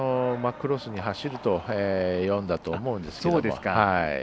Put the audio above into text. クロスに走ると読んだと思うんですけど。